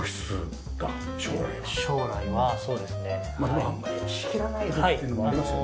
今あんまり仕切らない部屋っていうのもありますよね。